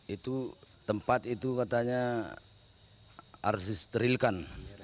itu tempat itu katanya harus disterilkan